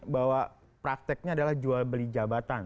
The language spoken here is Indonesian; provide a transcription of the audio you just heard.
bahwa prakteknya adalah jual beli jabatan